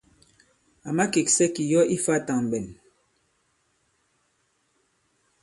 À makèksɛ kì yɔ̀ ifā tàŋɓɛn.